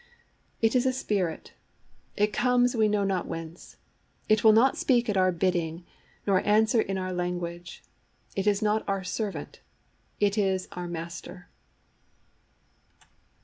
It is a spirit. It comes we know not whence. It will not speak at our bidding, nor answer in our language. It is not our servant; it is our master.